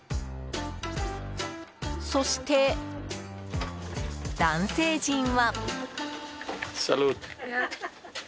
そして男性陣は。